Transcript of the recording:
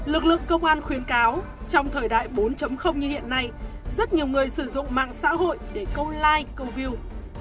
lực lượng công an khuyến cáo trong thời đại bốn như hiện nay rất nhiều người sử dụng mạng xã hội để câu like câu view